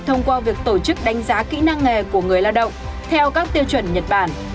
thông qua việc tổ chức đánh giá kỹ năng nghề của người lao động theo các tiêu chuẩn nhật bản